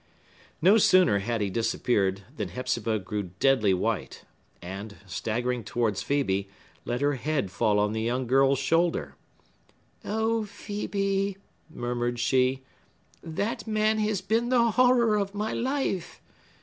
No sooner had he disappeared than Hepzibah grew deadly white, and, staggering towards Phœbe, let her head fall on the young girl's shoulder. "O Phœbe!" murmured she, "that man has been the horror of my life!